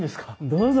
どうぞ。